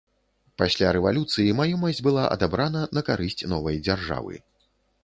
Пасля рэвалюцыі маёмасць была адабрана на карысць новай дзяржавы.